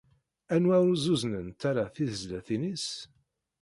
Anwa ur zzuznent ara tezlatin-is?